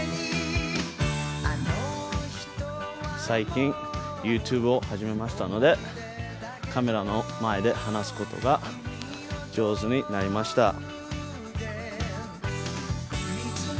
最近、ＹｏｕＴｕｂｅを始めましたので、カメラの前で話すことが上手になりました。